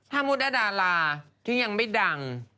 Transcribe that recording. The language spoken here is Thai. ถ้ามุติดาราที่ยังไม่ดัง